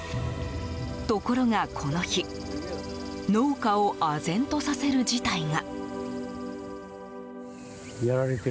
ところが、この日農家をあぜんとさせる事態が。